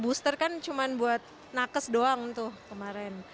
booster kan cuma buat nakes doang tuh kemarin